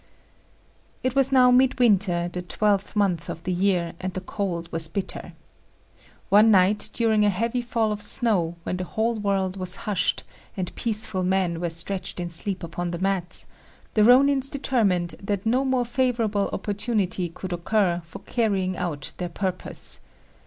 It was now midwinter, the twelfth month of the year, and the cold was bitter. One night, during a heavy fall of snow, when the whole world was hushed, and peaceful men were stretched in sleep upon the mats, the Rônins determined that no more favourable opportunity could occur for carrying out their purpose.